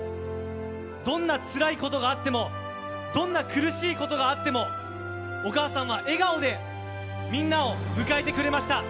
どんなつらいことがあってもどんな苦しいことがあってもお母さんは笑顔でみんなを迎えてくれました。